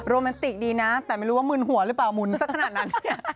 แมนติกดีนะแต่ไม่รู้ว่ามึนหัวหรือเปล่ามุนสักขนาดนั้น